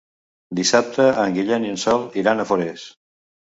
Dissabte en Guillem i en Sol iran a Forès.